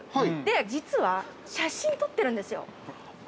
実は写真撮ってるんですよ。